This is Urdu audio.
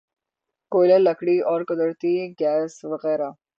کوئلہ لکڑی اور قدرتی گیس وغیرہ